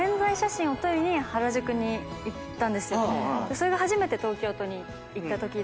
それが初めて東京都に行ったときで。